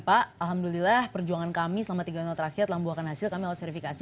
pak alhamdulillah perjuangan kami selama tiga tahun terakhir telah membuahkan hasil kami harus verifikasi